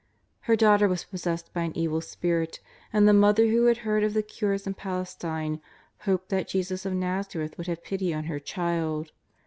Her daughter was possessed by an evil spirit, and the mother, who had heard of the cures in Palestine, hoped that Jesus of. Nazareth would have pity on her child.